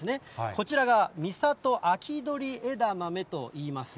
こちらが三郷秋どりえだまめといいます。